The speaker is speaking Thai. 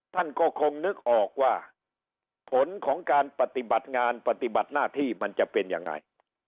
ท่านก็คงนึกออกว่าผลของการปฏิบัติงานปฏิบัติหน้าที่มันจะเป็นยังไง